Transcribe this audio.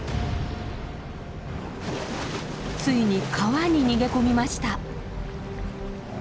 ついに川に逃げ込みました。